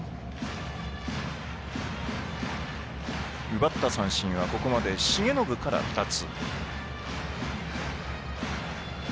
奪った三振はここまで重信から２つ。